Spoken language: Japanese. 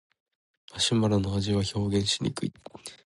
マシュマロの味は表現しにくい